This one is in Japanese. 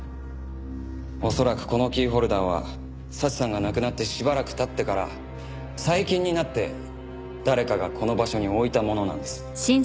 恐らくこのキーホルダーは早智さんが亡くなってしばらく経ってから最近になって誰かがこの場所に置いたものなんです。